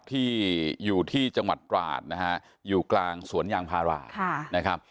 ที่อยู่ที่จังหวัดตราดนะฮะอยู่กลางสวนยางพารานะครับ